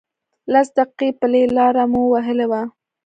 لس دقیقې پلی لاره مو وهلې وه.